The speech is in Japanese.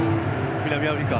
南アフリカ